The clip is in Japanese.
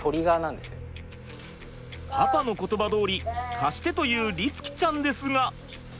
パパの言葉どおり「貸して」と言う律貴ちゃんですが。